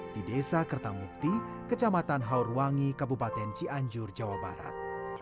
di desa kertamukti kecamatan haurwangi kabupaten cianjur jawa barat